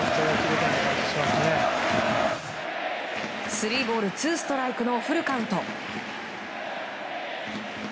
スリーボールツーストライクのフルカウント。